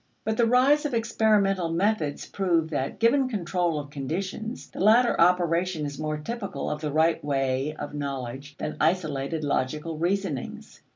But the rise of experimental methods proved that, given control of conditions, the latter operation is more typical of the right way of knowledge than isolated logical reasonings.